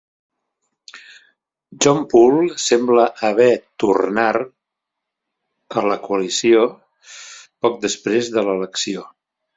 John Poole sembla haver tornar a la coalició poc després de l'elecció.